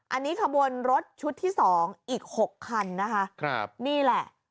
อันนี้ขบวนรถชุดที่๒อีก๖คันนี่แหละ